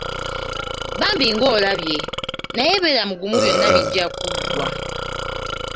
Bambi ng’olabye! Naye beera mugumu byonna bijja kuggwa.